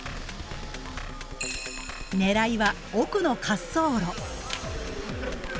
狙いは奥の滑走路。